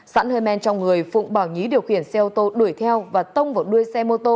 sẵn hơi men trong người phụng bảo nhí điều khiển xe ô tô đuổi theo và tông vào đuôi xe mô tô